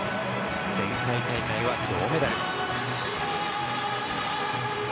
前回大会は銅メダル。